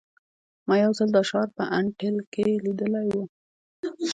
ما یو ځل دا شعار په انټیل کې لیدلی و